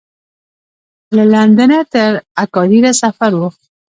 له لندنه تر اګادیره سفر و.